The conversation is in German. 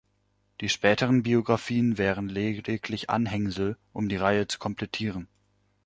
Die späteren Biographien wären lediglich ein „Anhängsel“, um die Reihe zu komplettieren.